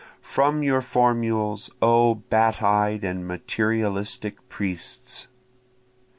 From your formules, O bat eyed and materialistic priests.